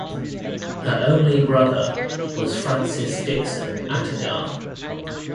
Her only brother was Francis Dixon Attygalle.